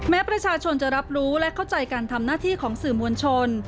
แม้ประชาชนจะรับรู้และเข้าใจการทำหน้าที่ของสื่อมวลชน